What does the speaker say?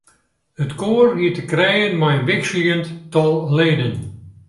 It koar hie te krijen mei in wikseljend tal leden.